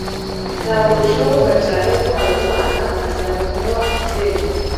ntabwo bishoboka cyane ko habimana azanywa byeri